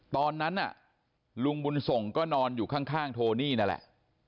ตอนนั้นน่ะลุงบุญส่งก็นอนอยู่ข้างโทนี่นั่นแหละ